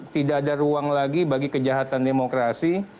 tidak ada ruang lagi bagi kejahatan demokrasi